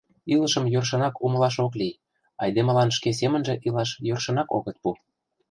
Илышым йӧршынак умылаш ок лий, айдемылан шке семынже илаш йӧршынак огыт пу...